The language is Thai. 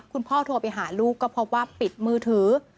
คุณพ่อโทรไปหาลูกก็พบว่าปิดมือถือ